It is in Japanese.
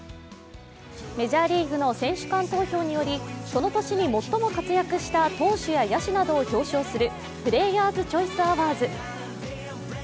メジャーリーグの選手間投票により、その年に最も活躍した投手や野手などを表彰するプレイヤーズ・チョイス・アワーズ。